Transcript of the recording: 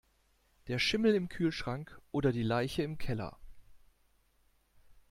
Der Schimmel im Kühlschrank oder die Leiche im Keller.